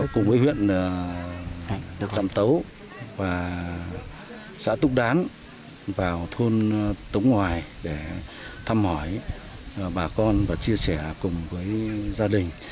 cùng với huyện lạm tấu và xã túc đán vào thôn tống ngoài để thăm hỏi bà con và chia sẻ cùng với gia đình